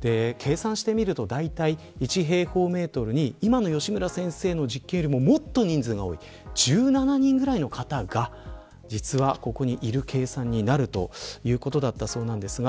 計算するとだいたい１平方メートルに吉村先生の実験よりももっと人数の多い１７人ぐらいの方がここにいる計算になるということだそうです。